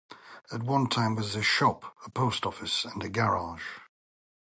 At one time there was a shop, a post office and a garage.